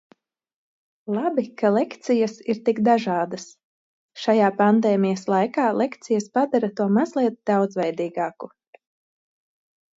Labi, ka lekcijas ir tik dažādas. Šajā pandēmijas laikā lekcijas padara to mazliet daudzveidīgāku.